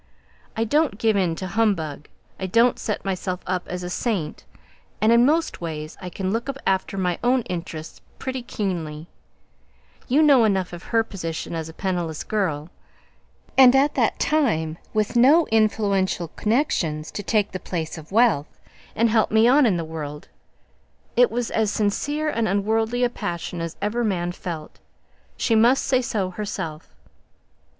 I don't give in to humbug I don't set myself up as a saint and in most ways I can look after my own interests pretty keenly; you know enough of her position as a penniless girl, and at that time, with no influential connections to take the place of wealth, and help me on in the world, it was as sincere and unworldly a passion as ever man felt; she must say so herself.